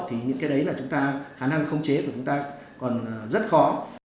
thì những cái đấy là chúng ta khả năng không chế của chúng ta còn rất khó